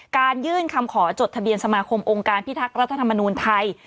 ยื่นคำขอจดทะเบียนสมาคมองค์การพิทักษ์รัฐธรรมนูลไทย